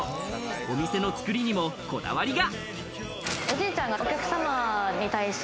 お店の作りにもこだわりが。